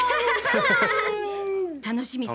楽しみ。